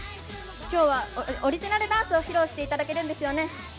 今日はオリジナルダンスを披露していただけるんですよね。